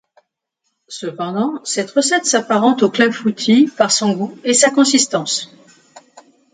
Cependant, cette recette s'apparente au clafoutis par son goût et sa consistance.